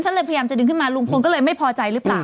เลยพยายามจะดึงขึ้นมาลุงพลก็เลยไม่พอใจหรือเปล่า